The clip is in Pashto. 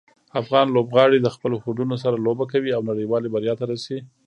افغان لوبغاړي د خپلو هوډونو سره لوبه کوي او نړیوالې بریا ته رسي.